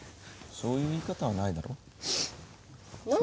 そういう言い方はないだろ？